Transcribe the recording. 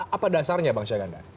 apa dasarnya bang syaganda